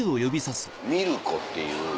「ミルコ」っていう